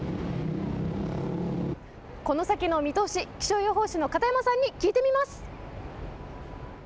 この先の見通し、気象予報士の片山さんに聞いてみます。